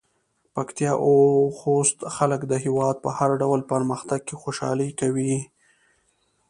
پکتيا او خوست خلک د هېواد په هر ډول پرمختګ کې خوشحالي کوي.